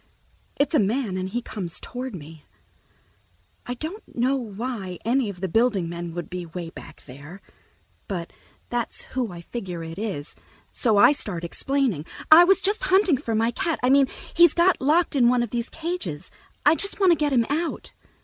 It's a man, and he comes toward me. I don't know why any of the building men would be way back there, but that's who I figure it is, so I start explaining. "I was just hunting for my cat ... I mean, he's got locked in one of these cages. I just want to get him out."